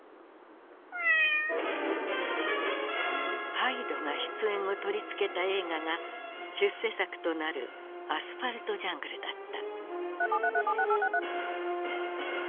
ハイドが出演を取り付けた映画が出世作となる「アスファルト・ジャングル」だった。